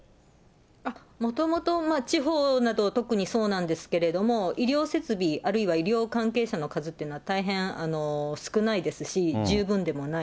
もともと地方など、特にそうなんですけれども、医療設備、あるいは医療関係者の数っていうのは大変少ないですし、十分ではない。